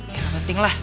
ya nggak penting lah